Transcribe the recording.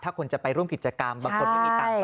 ถ้าคนจะไปร่วมกิจกรรมบางคนไม่มีตังค์